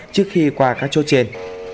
trước khi qua các chốt trên